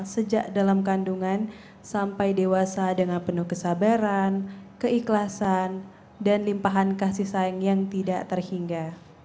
sejak dalam kandungan sampai dewasa dengan penuh kesabaran keikhlasan dan limpahan kasih sayang yang tidak terhingga